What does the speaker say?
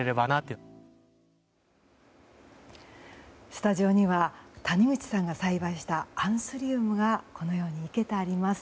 スタジオには谷口さんが栽培したアンスリウムがこのようにいけてあります。